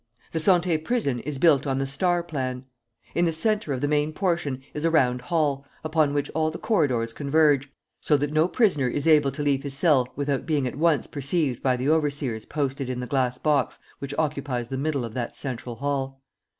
The Santé prison is built on the star plan. In the centre of the main portion is a round hall, upon which all the corridors converge, so that no prisoner is able to leave his cell without being at once perceived by the overseers posted in the glass box which occupies the middle of that central hall.